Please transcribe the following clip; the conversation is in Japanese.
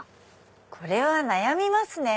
これは悩みますね。